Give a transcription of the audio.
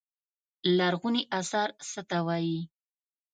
لرغوني اثار څه ته وايي.